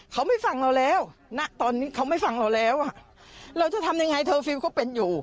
เขาไม่ฟังเราแล้วณตอนนี้เขาไม่ฟังเราแล้วอ่ะเราจะทำยังไงเคอร์ฟิลล์ก็เป็นอยู่